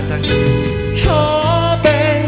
ขอเชิญอาทิตย์สำคัญด้วยค่ะ